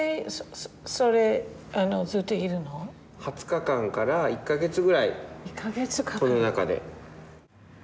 ２０日間から１か月ぐらいこの中で。